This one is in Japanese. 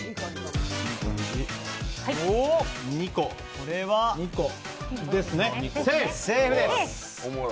これは、セーフです。